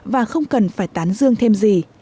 và không cần phải tán dương thêm gì